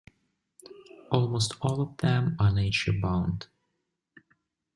Almost all of them are nature bound.